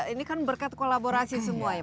ini kan berkat kolaborasi semua ya